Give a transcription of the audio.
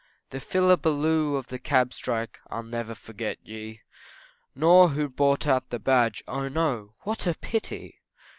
The phillibeloo of the Cab strike, I'll never forget ye, Nor who brought out the Badge, oh no, what a pity?